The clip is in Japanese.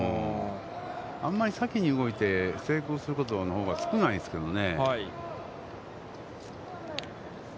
あんまり先に動いて成功することのほうが少ないんですけどね。